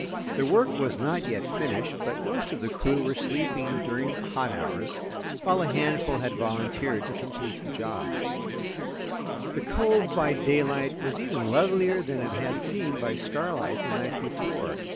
The work was not yet finished, but most of the crew were sleeping during the hot hours, while a handful had volunteered to complete the job. The cove by daylight was even lovelier than it had seemed by starlight the night before.